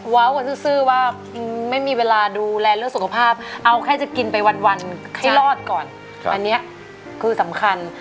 กันซื้อว่าไม่มีเวลาดูแลเรื่องสุขภาพเอาแค่จะกินไปวันให้รอดก่อนอันนี้คือสำคัญ